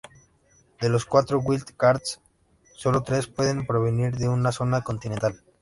De los cuatro wild cards, sólo tres pueden provenir de una zona continental.